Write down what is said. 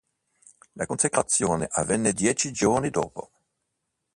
La consacrazione avvenne dieci giorni dopo.